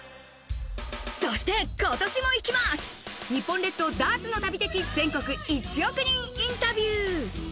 そして今年も行きます、日本列島ダーツの旅的全国１億人インタビュー。